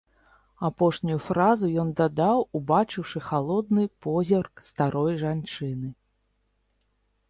Апошнюю фразу ён дадаў, убачыўшы халодны позірк старой жанчыны.